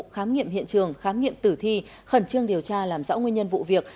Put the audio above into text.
khám nghiệm hiện trường khám nghiệm tử thi khẩn trương điều tra làm rõ nguyên nhân vụ việc